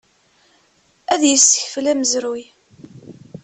Ad yessekfel amezruy.